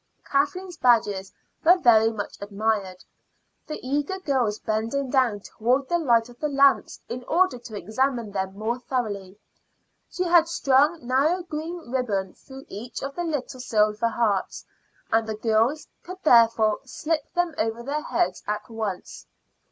Kathleen's badges were very much admired, the eager girls bending down towards the light of the lamps in order to examine them more thoroughly. She had strung narrow green ribbon through each of the little silver hearts, and the girls could therefore slip them over their heads at once.